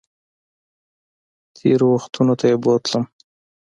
تېرو وختونو ته یې بوتلم